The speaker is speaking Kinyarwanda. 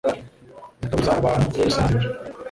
Zikabuza abantu gusinzira